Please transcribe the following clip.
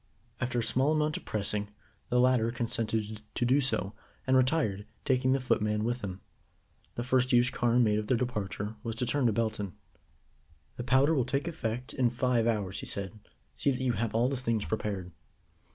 After a small amount of pressing, the latter consented to do so, and retired, taking the footman with him. The first use Carne made of their departure was to turn to Belton. "The powder will take effect in five hours," he said. "See that you have all the things prepared."